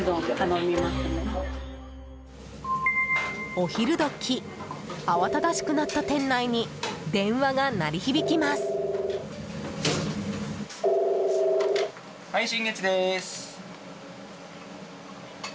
お昼時慌ただしくなった店内に電話が鳴り響きます。